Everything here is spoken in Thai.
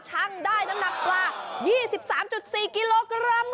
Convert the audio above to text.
ได้น้ำหนักกว่า๒๓๔กิโลกรัม